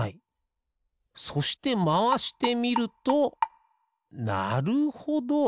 そしてまわしてみるとなるほど。